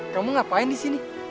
kamu ngapain di sini